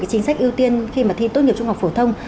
chính sách ưu tiên khi mà thi tốt nghiệp trung học phổ thông